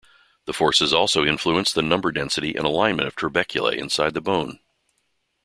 The forces also influence the number density and alignment of trabeculae inside the bone.